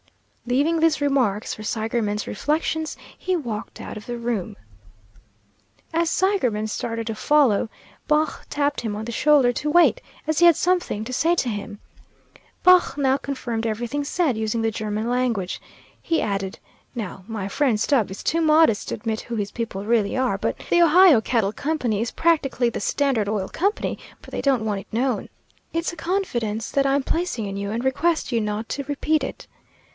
Leaving these remarks for Seigerman's reflections, he walked out of the room. As Seigerman started to follow, Baugh tapped him on the shoulder to wait, as he had something to say to him. Baugh now confirmed everything said, using the German language. He added, "Now, my friend Stubb is too modest to admit who his people really are, but the Ohio Cattle Company is practically the Standard Oil Company, but they don't want it known. It's a confidence that I'm placing in you, and request you not to repeat it.